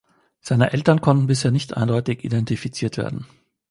Seine Eltern konnten bisher nicht eindeutig identifiziert werden.